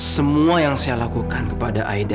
semua yang saya lakukan kepada aida